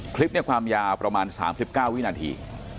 คลิปความยาวประมาณ๓๙วินาที